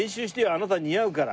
あなた似合うから。